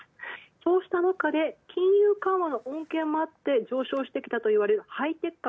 そうしたなかで金融緩和の穏健もあって上昇してきたといわれる、ハイテク株。